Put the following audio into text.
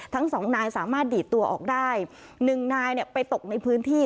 ทั้งสองนายสามารถดีดตัวออกได้หนึ่งนายเนี่ยไปตกในพื้นที่